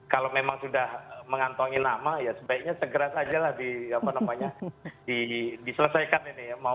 kalau memang sudah mengantongi nama ya sebaiknya segera saja lah diselesaikan ini ya